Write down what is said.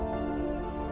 saya tidak tahu